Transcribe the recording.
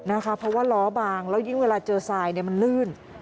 เพราะว่าล้อบางแล้วยิ่งเวลาเจอทรายมันลื่น